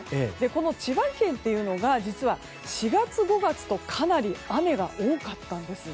この千葉県っていうのが実は４月、５月とかなり雨が多かったんです。